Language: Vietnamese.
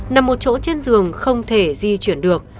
nằm một chỗ trên giường không thể di chuyển được